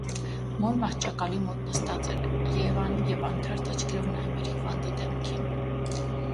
Մոր մահճակալի մոտ նստած էր Եվան և անթարթ աչքերով նայում էր հիվանդի դեմքին: